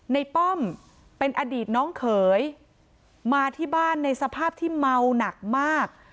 ป้อมเป็นอดีตน้องเขยมาที่บ้านในสภาพที่เมาหนักมาก